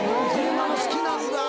車が好きなんだ！